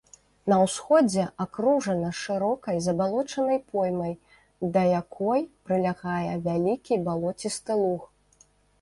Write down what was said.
На ўсходзе акружана шырокай забалочанай поймай, да якой прылягае вялікі балоцісты луг.